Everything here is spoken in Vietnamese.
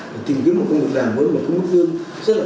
để tìm kiếm một công việc làm với một phương mức dương rất là cao